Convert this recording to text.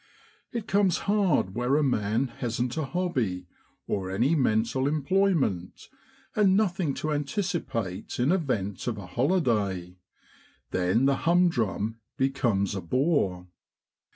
It comes hard where a man hasn't a hobby, or any mental employment, and nothing to anticipate in event of a holiday, then the humdrum becomes a bore.